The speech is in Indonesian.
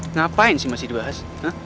ngapain sih masih dibahas